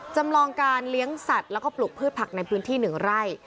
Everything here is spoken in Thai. จำลองการเลี้ยงสัตว์แล้วก็ปลูกพืชผักในพื้นที่๑ไร่